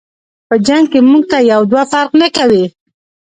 په جنګ کی مونږ ته یو دوه فرق نکوي.